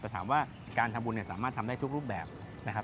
แต่ถามว่าการทำบุญเนี่ยสามารถทำได้ทุกรูปแบบนะครับ